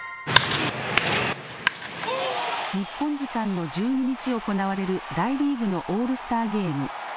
日本時間の１２日、行われる大リーグのオールスターゲーム。